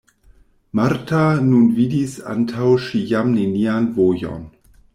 Marta nun vidis antaŭ si jam nenian vojon.